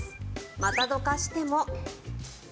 またどかしても。